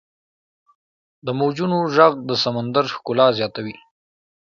• د موجونو ږغ د سمندر ښکلا زیاتوي.